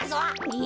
え！